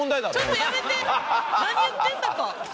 何言ってんだか！